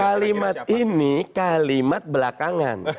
kalimat ini kalimat belakangan